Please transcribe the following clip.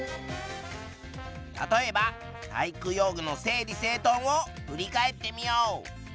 例えば体育用具の整理整とんを振り返ってみよう。